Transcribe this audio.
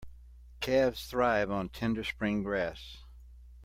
Calves thrive on tender spring grass.